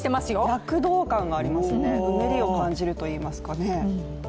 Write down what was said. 躍動感がありますよ、うねりを感じるといいますか。